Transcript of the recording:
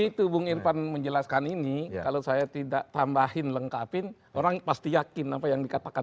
begitu bung irfan menjelaskan ini kalau saya tidak tambahin lengkapin orang pasti yakin apa yang dikatakan